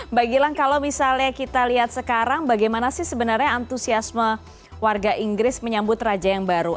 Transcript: mbak gilang kalau misalnya kita lihat sekarang bagaimana sih sebenarnya antusiasme warga inggris menyambut raja yang baru